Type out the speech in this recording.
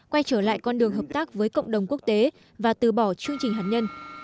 quay trở lại con đường hợp tác với cộng đồng quốc tế và từ bỏ chương trình hạt nhân